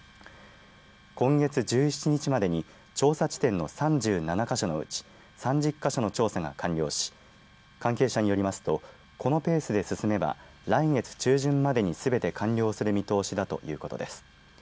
今月１７日までに調査地点の３７か所のうち３０か所の調査が完了し関係者によりますとこのペースで進めば来月中旬までにすべて完了する見通しだということです。